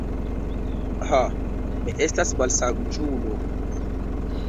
Ha, mi estas malsaĝulo.